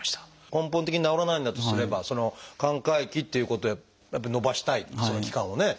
根本的に治らないんだとすればその寛解期ということをやっぱり延ばしたいその期間をね。